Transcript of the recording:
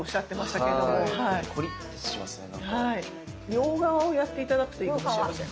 両側をやって頂くといいかもしれません。